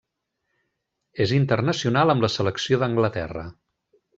És internacional amb la selecció d'Anglaterra.